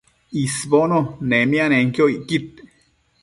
isbono nemianenquio icquid